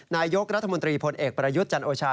นายกรัฐมนตรีพลเอกประยุทธ์จันโอชา